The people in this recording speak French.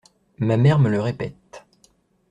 Ma mère me le répète.